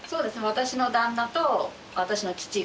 私の旦那と私の父が。